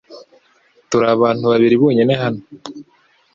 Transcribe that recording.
Turi abantu babiri bonyine hano .